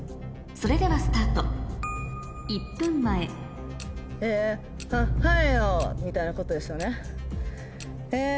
それではスタート１分前ホッハイホみたいなことですよね？